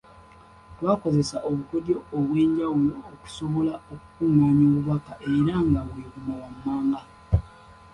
Twakozesa obukodyo obw'enjawulo okusobola okukungaanya obubaka era nga bwe buno wammanga.